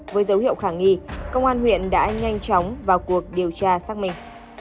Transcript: với dấu hiệu khả nghi công an huyện đã nhanh chóng vào cuộc điều tra xác minh